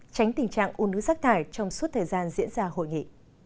tránh tình trạng u nứa sắc thải trong suốt thời gian diễn ra hội nghị